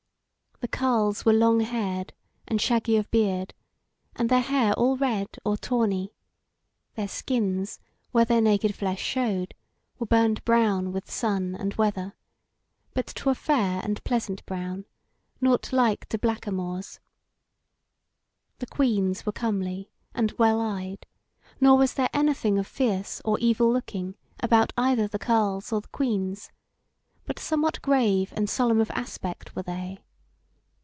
The carles were long haired, and shaggy of beard, and their hair all red or tawny; their skins, where their naked flesh showed, were burned brown with sun and weather, but to a fair and pleasant brown, nought like to blackamoors. The queans were comely and well eyed; nor was there anything of fierce or evil looking about either the carles or the queans, but somewhat grave and solemn of aspect were they.